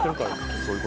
そういう事？